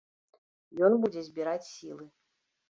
Ён будзе збіраць сілы.